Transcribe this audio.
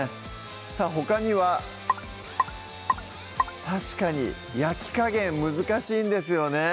さぁほかには確かに焼き加減難しいんですよね